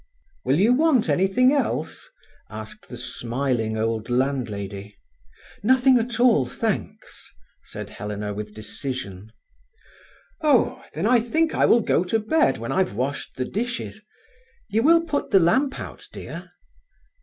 "Will you want anything else?" asked the smiling old landlady. "Nothing at all, thanks," said Helena, with decision. "Oh! then I think I will go to bed when I've washed the dishes. You will put the lamp out, dear?"